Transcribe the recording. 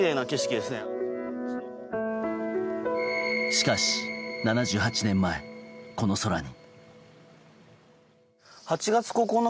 しかし、７８年前この空に。